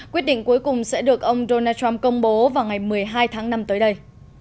quyết định cuối cùng sẽ được ông donald trump công bố vào ngày một mươi hai tháng năm tới đây